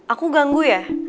aku ganggu ya